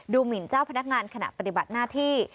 หมินเจ้าพนักงานขณะปฏิบัติหน้าที่